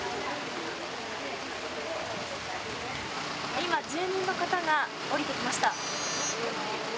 今、住民の方が降りてきました。